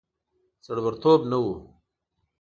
زړه ورتوب نه وو.